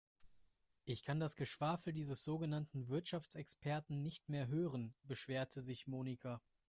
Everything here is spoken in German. Ich kann das Geschwafel dieses sogenannten Wirtschaftsexperten nicht mehr hören, beschwerte sich Monika.